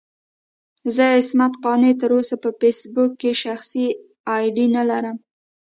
زه عصمت قانع تر اوسه په فېسبوک کې شخصي اې ډي نه لرم.